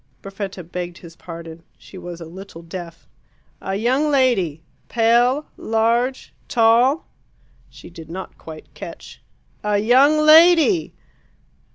Perfetta begged his pardon: she was a little deaf. "A young lady pale, large, tall." She did not quite catch. "A YOUNG LADY!"